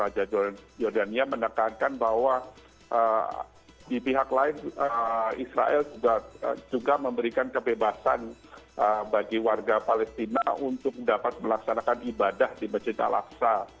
jordania menekankan bahwa di pihak lain israel juga memberikan kebebasan bagi warga palestina untuk dapat melaksanakan ibadah di masjid al aqsa